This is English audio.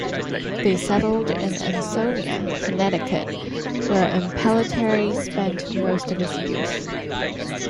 They settled in Ansonia, Connecticut, where Impellitteri spent most of his youth.